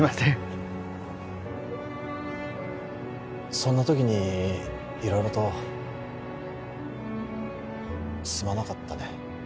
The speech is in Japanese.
そんな時に色々とすまなかったね